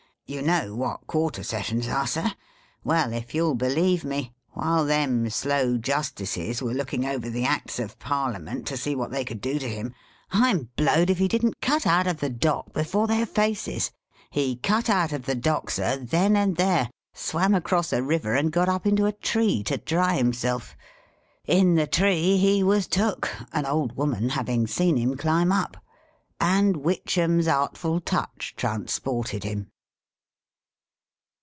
You know what Quarter Sessions are, Sir. Well, if you'll believe me, while them slow justices were looking over the Acts of Parliament, to see what they could do to him, I 'm blowed if he didn't cut out of the dock before their faces ! He cut out of the dock, Sir, then and there ; swam across a river ; and got up into a tree to dry himself. In the tree he was took — an old woman having seen him climb up — and Witchem's artful touch transported him